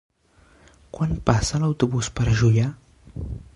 Quan passa l'autobús per Juià?